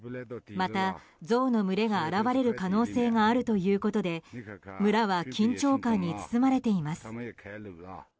また、ゾウの群れが現れる可能性があるということで村は緊張感に包まれています。